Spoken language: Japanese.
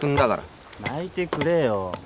泣いてくれよ。